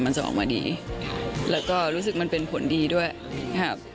มันจะออกมาดีแล้วก็รู้สึกมันเป็นผลดีด้วยครับ